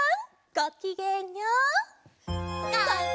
ごきげんよう！